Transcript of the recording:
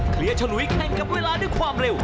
เคลียร์ชะลุยแค่งกับเวลาด้วยความเร็ว